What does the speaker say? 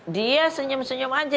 dia senyum senyum aja